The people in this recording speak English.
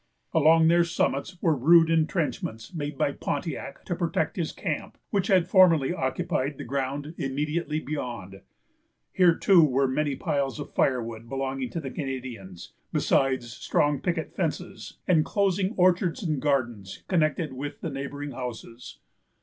Along their summits were rude intrenchments made by Pontiac to protect his camp, which had formerly occupied the ground immediately beyond. Here, too, were many piles of firewood belonging to the Canadians, besides strong picket fences, enclosing orchards and gardens connected with the neighboring houses.